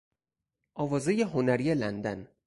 آوازهی هنری لندن